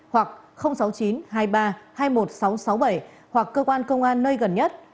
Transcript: hoặc sáu mươi chín hai mươi ba hai mươi một nghìn sáu trăm sáu mươi bảy hoặc cơ quan công an nơi gần nhất